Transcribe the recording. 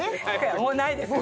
もうないです。